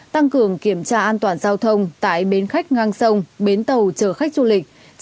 tăng cường kiểm tra an toàn giao thông tại bến khách ngang sông bến tàu chở khách du lịch